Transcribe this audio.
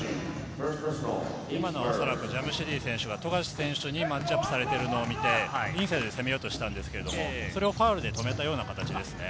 今のは、おそらくジャムシディ選手が富樫選手にマッチアップされているのを見てインサイドで攻めようとしたんですが、それをファウルで止めたような形ですね。